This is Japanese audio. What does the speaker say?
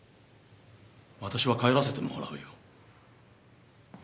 私は帰らせてもらうよ。